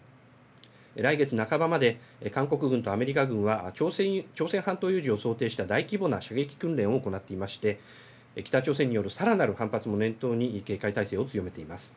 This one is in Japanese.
来月半ばまで韓国軍とアメリカ軍は朝鮮半島有事を想定した大規模な射撃訓練を行っていまして北朝鮮によるさらなる反発も念頭に警戒態勢を強めています。